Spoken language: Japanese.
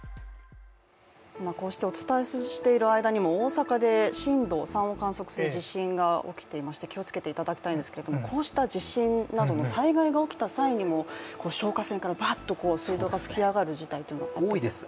こうしてお伝えしている間にも大阪で震度３を観測する地震が起きていまして、気をつけていただきたいんですけれどもこうした地震などの災害が起きた際にも消火栓からバッと水道が噴き上がるということは多いです。